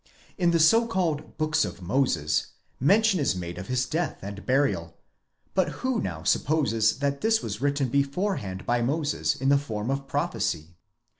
In the so called books of Moses mention is made of his death and burial: but who now supposes that this. was written beforehand by Moses in the form of prophecy?